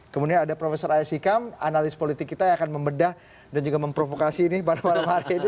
kemudian ada prof aya sikam analis politik kita yang akan membedah dan juga memprovokasi ini pada malam hari ini